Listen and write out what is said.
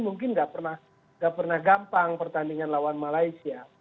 mungkin nggak pernah gampang pertandingan lawan malaysia